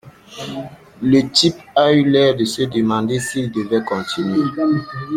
Le type a eu l’air de se demander s’il devait continuer.